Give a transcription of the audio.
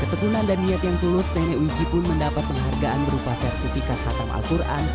ketekunan dan niat yang tulus nenek wiji pun mendapat penghargaan berupa sertifikat hatam al quran